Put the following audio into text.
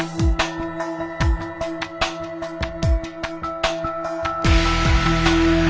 สวัสดีครับ